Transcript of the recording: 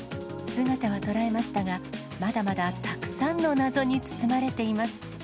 姿は捉えましたが、まだまだたくさんの謎に包まれています。